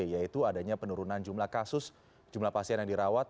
yaitu adanya penurunan jumlah kasus jumlah pasien yang dirawat